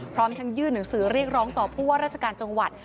พร้อมทั้งยื่นหนังสือเรียกร้องต่อผู้ว่าราชการจังหวัด